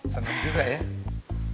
seneng juga ya